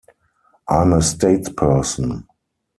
I'm a statesperson.